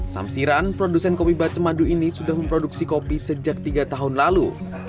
samsiran produsen kopi bace madu ini sudah memproduksi kopi sejak tiga tahun lalu